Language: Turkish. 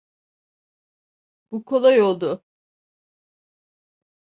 Bu kolay oldu.